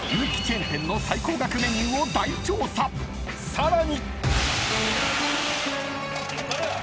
［さらに］